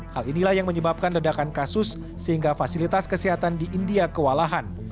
hal inilah yang menyebabkan ledakan kasus sehingga fasilitas kesehatan di india kewalahan